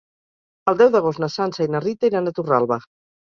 El deu d'agost na Sança i na Rita iran a Torralba.